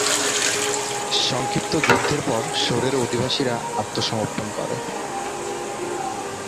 সংক্ষিপ্ত যুদ্ধের পর শহরের অধিবাসীরা আত্মসমর্পণ করে।